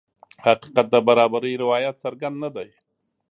حقیقت د برابرۍ روایت څرګند نه دی.